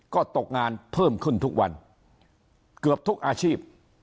ก็ตกงานเพิ่มขึ้นทุกวันเกือบทุกอาชีพ